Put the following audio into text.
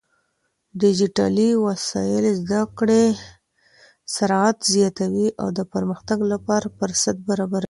ډيجيټلي وسايل زده کړې سرعت زياتوي او د پرمختګ لپاره فرصت برابروي.